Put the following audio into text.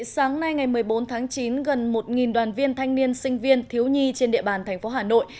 sáng nay ngày một mươi bốn tháng chín gần một đoàn viên thanh niên sinh viên thiếu nhi trên địa bàn thành phố hà nội